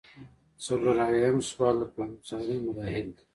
څلور اویایم سوال د پلانګذارۍ مراحل دي.